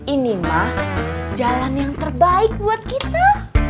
ini mah jalan yang terbaik buat kita